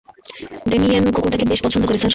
Damien কুকুরটাকে বেশ পছন্দ করে, স্যার।